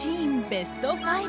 ベスト５。